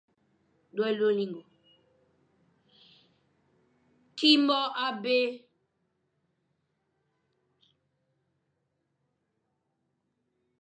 Ki mon abé.